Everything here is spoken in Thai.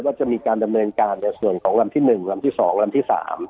จะมีการดำเนินการในส่วนของลำที่๑ลำที่๒ลำที่๓